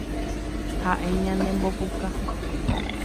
Ha'e ñanembopuka